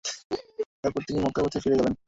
তারপর তিনি মক্কার পথে ফিরে গেলেন।